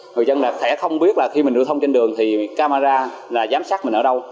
người dân đặc thể không biết là khi mình giao thông trên đường thì camera là giám sát mình ở đâu